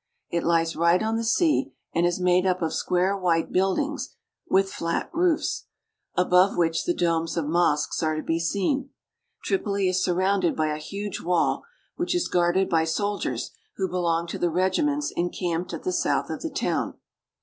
It lies right on the sea and is made up of square white build ings with flat roofs, above which the domes of mosques are to be seen. Tripoli is surrounded by a huge wall, which is guarded by soldiers who belong to the regiments en camped at the south of the town.